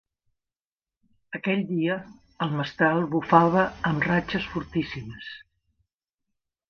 Aquell dia, el mestral bufava amb ratxes fortíssimes.